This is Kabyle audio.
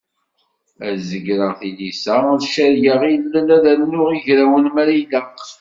Ad zegreɣ tilisa, ad cargeɣ ilel ad rnuɣ igrawen ma ilaq.